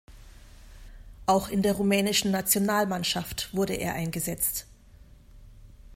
Auch in der rumänischen Nationalmannschaft wurde er eingesetzt.